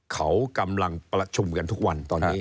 เขากำลังประชุมกันทุกวันตอนนี้